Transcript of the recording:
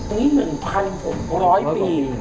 นี่๑๖๐๐ปี